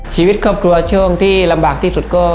ชีวิตครอบครัวช่วงที่ลำบากที่สุดก็